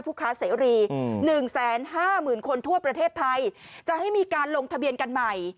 ค้าเสรี๑๕๐๐๐คนทั่วประเทศไทยจะให้มีการลงทะเบียนกันใหม่